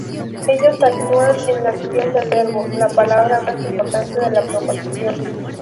Ellos actúan en la acción del verbo, la palabra más importante de la proposición.